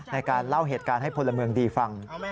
ในการเล่าเหตุการณ์ให้พลเมืองดีฟัง